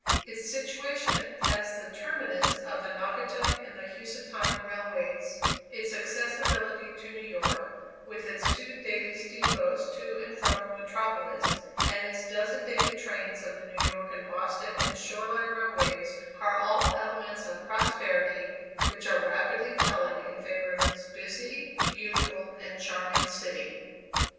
Its situation as the terminus of the Naugatuck and the Housatonic railways, its accessibility to New York, with its two daily steamboats to and from the metropolis, and its dozen daily trains of the New York and Boston and Shore Line railways, are all elements of prosperity which are rapidly telling in favor of this busy, beautiful and charming city.